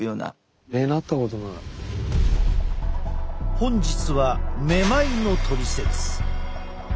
本日は「めまい」のトリセツ。